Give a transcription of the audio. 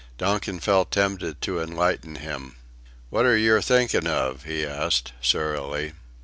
Donkin felt tempted to enlighten him. "What are yer thinkin' of?" he asked, surlily.